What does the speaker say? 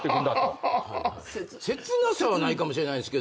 切なさはないかもしれないです。